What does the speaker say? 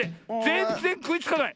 ぜんぜんくいつかない。